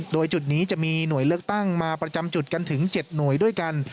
โดยจุดนี้จะมีหน่วยเลือกตั้งมาประจำจุดกันถึง๗หน่วยด้วยกัน